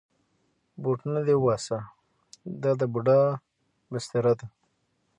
بوټونه دې وباسه، دا د بوډا بستره ده.